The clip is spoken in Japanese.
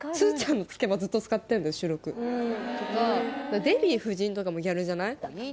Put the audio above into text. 収録とかデヴィ夫人とかもギャルじゃない？